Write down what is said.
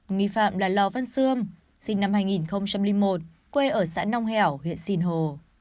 nghị phạm là lò văn sươm sinh năm hai nghìn một quê ở xã nong hẻo huyện sìn hồ